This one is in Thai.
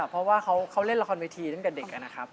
เพราะว่าเขาเล่นละครเวทีตั้งแต่เด็กนะครับ